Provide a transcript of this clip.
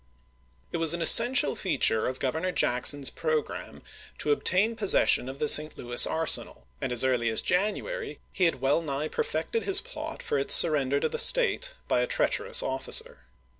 It was an essential feature of Governor Jackson's programme to obtain possession of the St. Louis 1861. arsenal, and as early as January he had well nigh perfected his plot for its surrender to the State by a treacherous officer.